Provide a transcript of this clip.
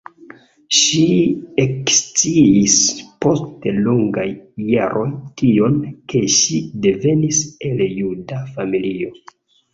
Ŝi eksciis post longaj jaroj tion, ke ŝi devenis el juda familio.